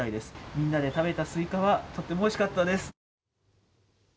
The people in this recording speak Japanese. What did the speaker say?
みんなで食べたスイカはとってもおいしかったです。